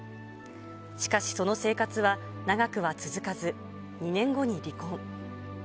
しかしその生活は、長くは続かず２年後に離婚。